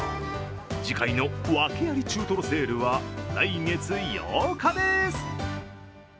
次回の訳あり中トロセールは来月８日です。